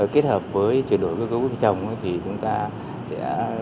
kết hợp với chuyển đổi cơ cấu cây trồng thì chúng ta sẽ